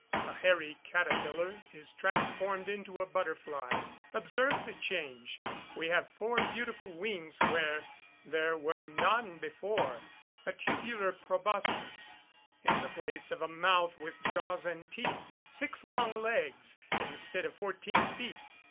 A hairy caterpillar is transformed into a butterfly. Observe the change. We have four beautiful wings where there were none before; a tubular proboscis, in the place of a mouth with jaws and teeth; six long legs, instead of fourteen feet.